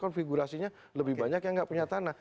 konfigurasinya lebih banyak yang nggak punya tanah